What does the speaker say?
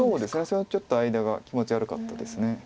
それはちょっと間が気持ち悪かったです。